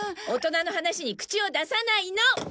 大人の話に口を出さないの！